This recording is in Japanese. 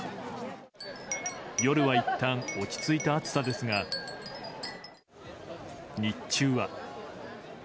夜はいったん落ち着いた暑さですが日中は。